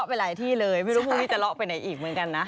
ไปหลายที่เลยไม่รู้พรุ่งนี้จะเลาะไปไหนอีกเหมือนกันนะ